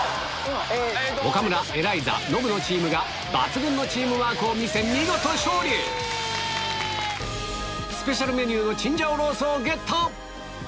岡村エライザノブのチームが抜群のチームワークを見せスペシャルメニューのチンジャオロースをゲット！